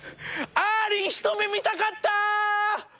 あーりん一目見たかった。